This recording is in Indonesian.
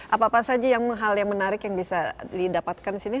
apa apa saja hal yang menarik yang bisa didapatkan di sini